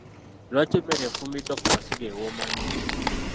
Lwaki emmere efumbiddwa ku masiga ewooma nnyo?